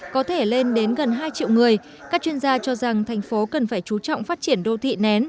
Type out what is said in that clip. có thể lên đến gần hai triệu người các chuyên gia cho rằng thành phố cần phải chú trọng phát triển đô thị nén